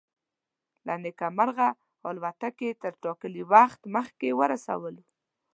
له نیکه مرغه الوتکې تر ټاکلي وخت مخکې ورسولو.